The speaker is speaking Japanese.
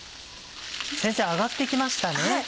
先生揚がって来ましたね。